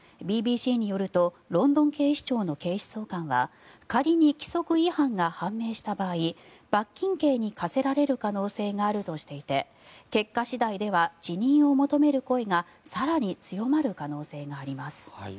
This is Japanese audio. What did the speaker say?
ＢＢＣによるとロンドン警視庁の警視総監は仮に規則違反が判明した場合罰金刑に科せられる可能性があるとしていて結果次第では辞任を求める声が更に強まる可能性があります。